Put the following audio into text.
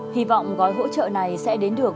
hy vọng gói hỗ trợ này sẽ đến được